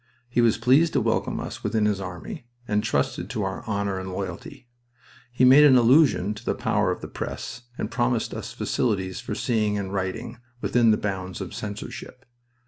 He was pleased to welcome us within his army, and trusted to our honor and loyalty. He made an allusion to the power of the press, and promised us facilities for seeing and writing, within the bounds of censorship.